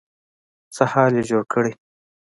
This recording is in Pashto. څه حال يې جوړ کړی.